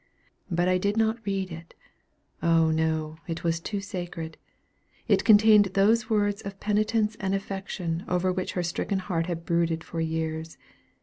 But I did not read it. O no! it was too sacred. It contained those words of penitence and affection over which her stricken heart had brooded for years.